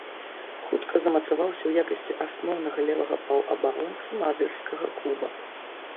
Хутка замацаваўся ў якасці асноўнага левага паўабаронцы мазырскага клуба.